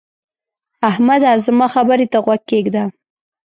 احمده! زما خبرې ته غوږ کېږده.